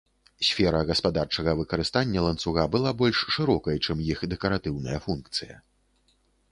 Сфера гаспадарчага выкарыстання ланцуга была больш шырокай, чым іх дэкаратыўная функцыя.